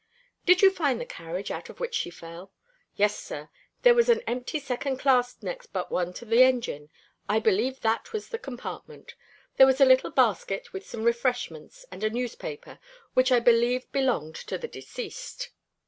"Did you find the carriage out of which she fell?" "Yes, sir. There was an empty second class next but one to the engine. I believe that was the compartment. There was a little basket with some refreshments, and a newspaper, which I believe belonged to the deceased."